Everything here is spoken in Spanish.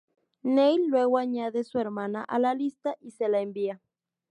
Neil luego añade su hermana a la lista y se la envía.